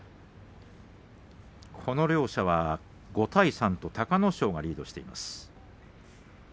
この両者は５対３と隆の勝がリードしています。